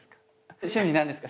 趣味何ですか？